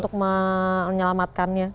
kita harus menelan menyelamatkannya